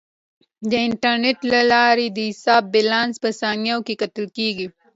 د انټرنیټ له لارې د حساب بیلانس په ثانیو کې کتل کیږي.